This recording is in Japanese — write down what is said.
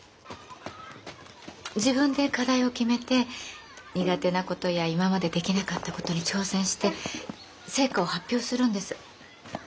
自分で課題を決めて苦手なことや今までできなかったことに挑戦して成果を発表するんです。